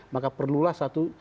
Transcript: maka perlulah satu